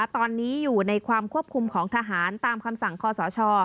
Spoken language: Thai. ตอนนี้อยู่ในความควบคุมของทหารตามคำสั่งคอสช